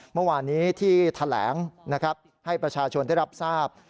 เมื่อวานนี้ที่แถลงนะครับให้ประชาชนได้รับทราบ